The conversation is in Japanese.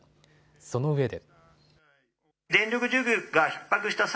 そのうえで。